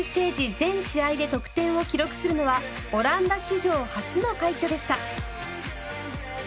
全試合で得点を記録するのはオランダ史上初の快挙でした。